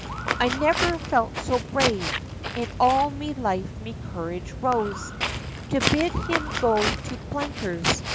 I never felt so brave, in all me life, me courage rose, To bid him go to blakers!